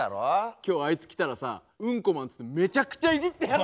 今日あいつ来たらさ「うんこマン」っつってめちゃくちゃいじってやろうぜ！